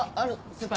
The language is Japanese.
先輩。